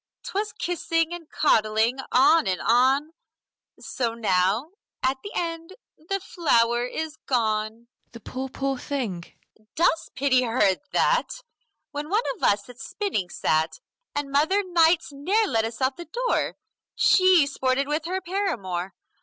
'Twas kissing and coddling, on and on! So now, at the end, the flower is gone. MARGARET The poor, poor thing! LISBETH Dost pity her, at that? When one of us at spinning sat, And mother, nights, ne'er let us out the door She sported with her paramour.